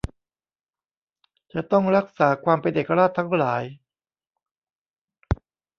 จะต้องรักษาความเป็นเอกราชทั้งหลาย